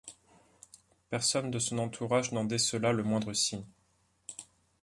Personne de son entourage n'en décéla le moindre signe.